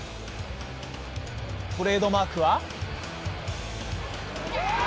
トレードマークは。